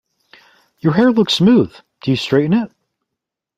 Your hair looks smooth, do you straighten it?